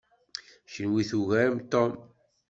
Kenwi tugarem Tom.